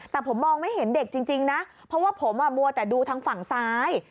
แต่ผมมองไม่เห็นเด็กจริงนะเพราะว่าผมมัวแต่ดูทางฝั่งซ้าย